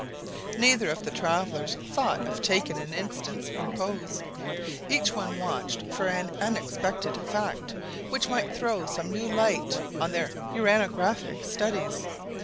Neither of the travelers thought of taking an instant's repose. Each one watched for an unexpected fact, which might throw some new light on their uranographic studies.